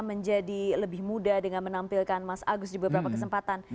menjadi lebih muda dengan menampilkan mas agus di beberapa kesempatan